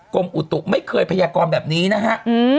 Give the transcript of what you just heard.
กรมอุตุไม่เคยพยากรแบบนี้นะฮะ